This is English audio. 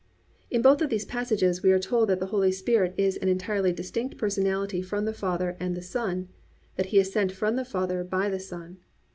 "+ In both of these passages we are told that the Holy Spirit is an entirely distinct personality from the Father and the Son, that He is sent from the Father by the Son.